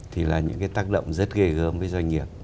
thì là những cái tác động rất ghê gớm với doanh nghiệp